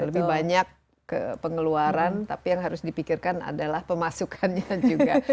lebih banyak ke pengeluaran tapi yang harus dipikirkan adalah pemasukannya juga